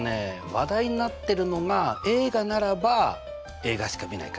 話題になってるのが映画ならば映画しかみないかな。